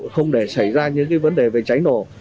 không để xảy ra những vấn đề về cháy nổ